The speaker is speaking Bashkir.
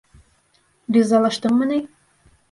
Ризалаштыңмы ни?